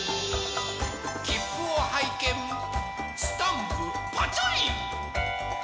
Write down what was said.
きっぷをはいけんスタンプパチョリン。